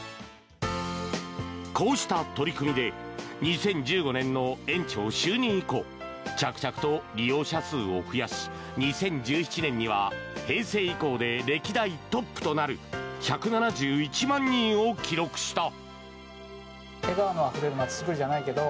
こうした取り組みで２０１５年の園長就任以降着々と利用者数を増やし２０１７年には平成以降で歴代トップとなる１７１万人を記録した。